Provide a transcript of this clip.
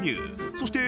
そして